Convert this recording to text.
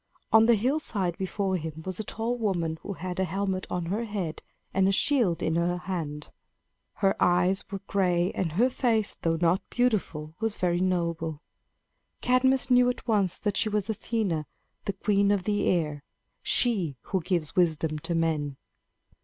On the hillside before him was a tall woman who had a helmet on her head and a shield in her hand. Her eyes were gray, and her face, though not beautiful, was very noble. Cadmus knew at once that she was Athena, the queen of the air she who gives wisdom to men.